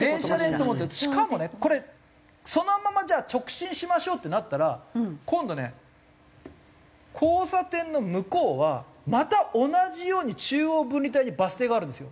しかもねこれそのままじゃあ直進しましょうってなったら今度ね交差点の向こうはまた同じように中央分離帯にバス停があるんですよ。